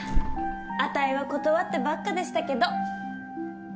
あたいは断ってばっかでしたけど。